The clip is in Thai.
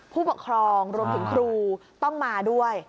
ผู้ปกครองรวมถึงครูต้องมาด้วย